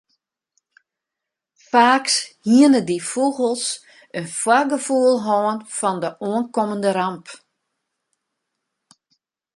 Faaks hiene dy fûgels in foargefoel hân fan de oankommende ramp.